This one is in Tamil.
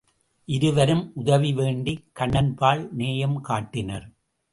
இருவரும் உதவி வேண்டிக் கண்ணன்பால் நேயம் காட்டினர்.